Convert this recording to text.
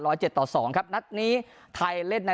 ร้อยเจ็ดต่อสองครับณตัวหน้านี้ไทยเล่นใน